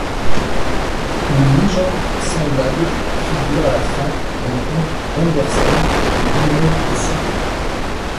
Une légende semblable figure à la fin d'un conte d'Andersen, où Villeneuve est citée.